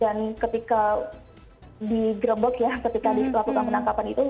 dan ketika di grebok ya ketika dilakukan penangkapan itu